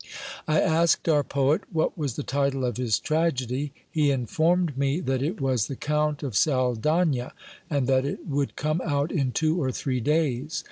I asked our poet what was the title of his tragedy. He informed me that it was "The Count of Saldagna," and that it would come out in two or three days.